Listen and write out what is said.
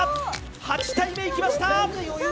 ８体目いきました